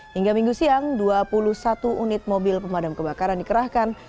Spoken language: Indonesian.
hingga minggu siang dua puluh satu unit mobil pemadam kebakaran dikerahkan